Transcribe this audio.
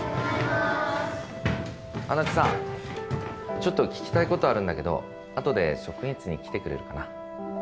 ちょっと聞きたい事あるんだけどあとで職員室に来てくれるかな？